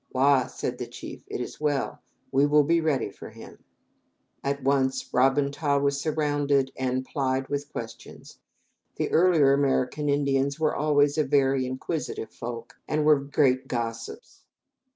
"Wa," said the old chief, "it is well, we will be ready for him." At once Ra bun ta was surrounded and plied with questions. The earlier American Indians were always a very inquisitive folk, and were great gossips.